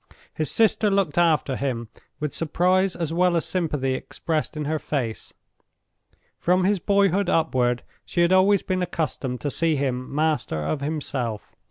His sister looked after him, with surprise as well as sympathy expressed in her face. From his boyhood upward she had always been accustomed to see him master of himself.